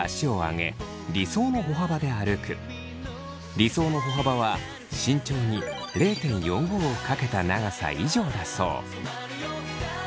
理想の歩幅は身長に０．４５を掛けた長さ以上だそう。